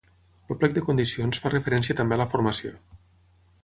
El plec de condicions fa referència també a la formació.